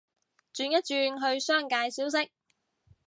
轉一轉去商界消息